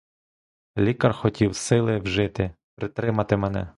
Лікар хотів сили вжити, притримати мене.